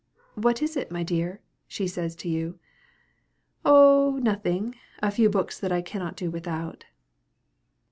"What is it, my dear?" she says to you. "Oh! nothing a few books that I cannot do without."